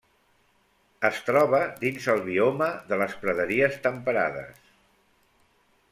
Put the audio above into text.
Es troba dins el bioma de les praderies temperades.